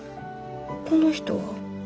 この人は？